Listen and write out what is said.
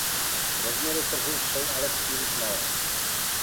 Rozměry trhu jsou ale příliš malé.